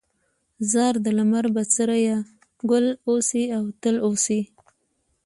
ځار د لمر بڅريه، ګل اوسې او تل اوسې